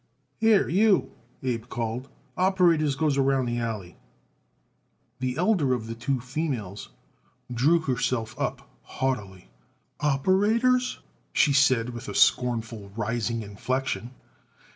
"Here, you," Abe called, "operators goes around the alley." The elder of the two females drew herself up haughtily. "Operators!" she said with a scornful rising inflection.